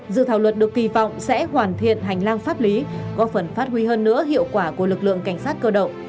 dự thảo luật được kỳ vọng sẽ hoàn thiện hành lang pháp lý góp phần phát huy hơn nữa hiệu quả của lực lượng cảnh sát cơ động